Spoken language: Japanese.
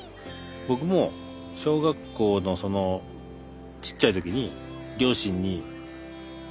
僕も小学校のちっちゃい時に両親に作ったんですよ